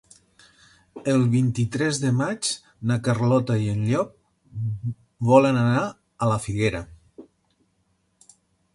El vint-i-tres de maig na Carlota i en Llop volen anar a la Figuera.